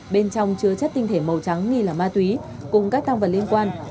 bên trong chứa chất tinh thể màu trắng nghi là ma túy cùng các tăng vật liên quan